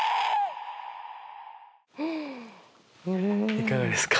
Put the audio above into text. いかがですか？